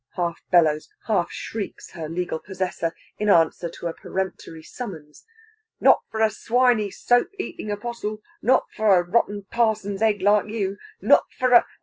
half bellows, half shrieks her legal possessor, in answer to a peremptory summons. "Not for a swiney, soap eatin' Apoarstle not for a rotten parson's egg, like you. Not for a...."